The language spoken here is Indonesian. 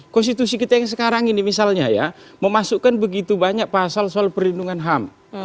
konstitusi kita yang sekarang ini misalnya ya memasukkan begitu banyak pasal soal perlindungan ham